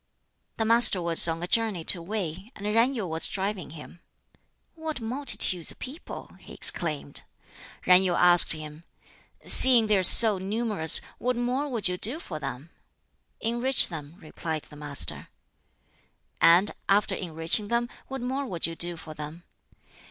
'" The Master was on a journey to Wei, and Yen Yu was driving him. "What multitudes of people!" he exclaimed. Yen Yu asked him, "Seeing they are so numerous, what more would you do for them?" "Enrich them," replied the Master. "And after enriching them, what more would you do for them?"